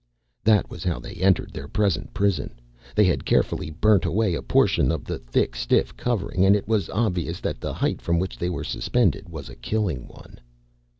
That was how they entered their present prison. They had carefully burnt away a portion of the thick, stiff covering and it was obvious that the height from which they were suspended was a killing one.